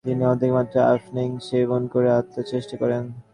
তিনি অধিক মাত্রায় আফিং সেবন করে আত্মহত্যার চেষ্টা করেন।